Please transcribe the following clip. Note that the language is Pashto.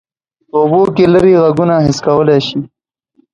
په اوبو کې لیرې غږونه حس کولی شي.